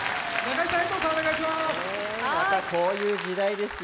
またこういう時代ですよ。